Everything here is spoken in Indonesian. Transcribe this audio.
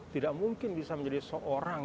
tidak mungkin bisa menjadi seorang